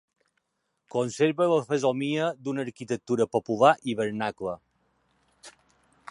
Conserva la fesomia d'una arquitectura popular i vernacle.